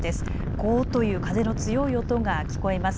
ごーっという風の強い音が聞こえます。